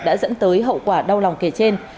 đã dẫn tới hậu quả đau lòng kể trên